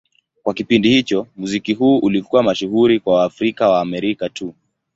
Kwa kipindi hicho, muziki huu ulikuwa mashuhuri kwa Waafrika-Waamerika tu.